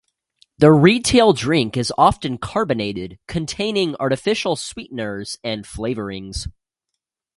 The retail drink is often carbonated, containing artificial sweeteners and flavourings.